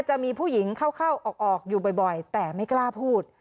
จะมีผู้หญิงเข้าออกอยู่บ่อยแต่ไม่กล้าพูด